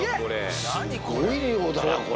すごい量だなこれ。